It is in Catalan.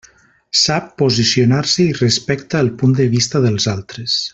Sap posicionar-se i respecta el punt de vista dels altres.